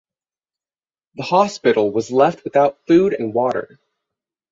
The hospital was left without food and water.